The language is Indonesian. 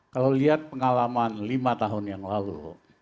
kalau lihat pengalaman lima tahun yang lalu